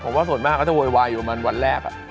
ผมว่าส่วนมากเขาจะโวยวายอยู่ประมาณวันแรก